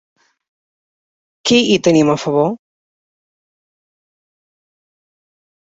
Qui hi tenim a favor?